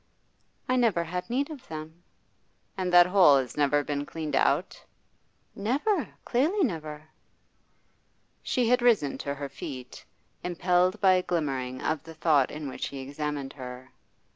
'I never had need of them.' 'And that hole has never been cleaned out?' 'Never; clearly never.' She had risen to her feet, impelled by a glimmering of the thought in which he examined her.